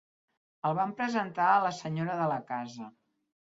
El van presentar a la senyora de la casa.